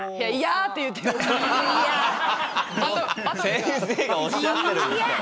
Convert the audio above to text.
先生がおっしゃってるんですから。